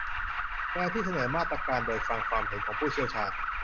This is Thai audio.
แนวที่เสนอมาตรการโดยฟังความเห็นของผู้เชี่ยวชาญ